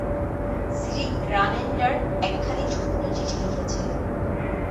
সিরি গ্রানেণ্ডার একখানি ছোট্ট চিঠি লিখেছে।